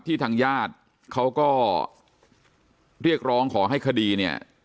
ทางญาติเขาก็เรียกร้องขอให้คดีเนี่ย